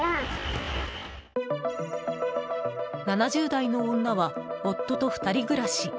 ７０代の女は夫と２人暮らし。